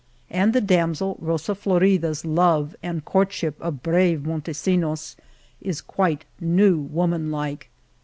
And the damsel Rosaflorida's love and courtship of brave Montesinos is quite new womanlike.